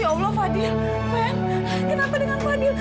ya allah fadil kenapa dengan fadil